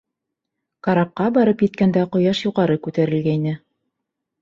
Карапҡа барып еткәндә ҡояш юғары күтәрелгәйне.